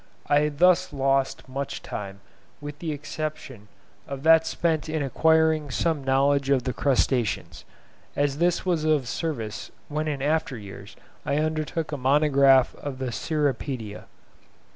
I thus lost much time, with the exception of that spent in acquiring some knowledge of the Crustaceans, as this was of service when in after years I undertook a monograph of the Cirripedia.